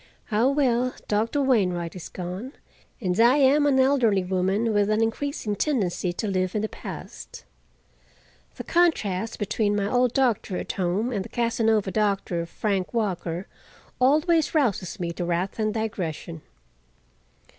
Ah, well, Doctor Wainwright is gone, and I am an elderly woman with an increasing tendency to live in the past. The contrast between my old doctor at home and the Casanova doctor, Frank Walker, always rouses me to wrath and digression.